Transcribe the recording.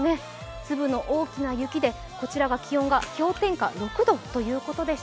粒の大きな雪でこちらは気温が氷点下６度ということでした。